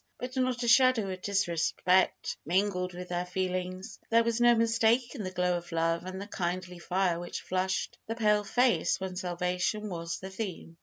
But not a shadow of disrespect mingled with their feelings. There was no mistaking the glow of love and the kindly fire which flushed the pale face when salvation was the theme.